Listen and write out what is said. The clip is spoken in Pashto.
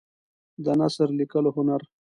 د نثر لیکلو هنر